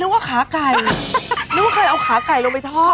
แม่นึกว่าขาไก่นึกว่าใครเอาขาไก่ลงไปทอด